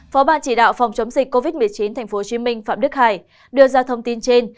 phó ban chỉ đạo phòng chống dịch covid một mươi chín tp hcm phạm đức hải đưa ra thông tin trên